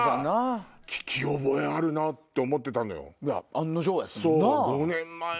案の定やったもんな。